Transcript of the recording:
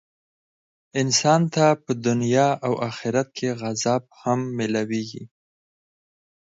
انسان ته په دنيا او آخرت کي عذاب هم ميلاويږي .